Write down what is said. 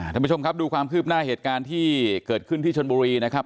ท่านผู้ชมครับดูความคืบหน้าเหตุการณ์ที่เกิดขึ้นที่ชนบุรีนะครับ